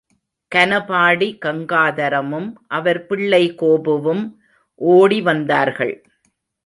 கனபாடி கங்காதரமும் அவர் பிள்ளை கோபுவும் ஓடி வந்தார்கள்.